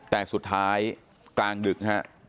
แต่สุดท้ายกลางดึกฮะ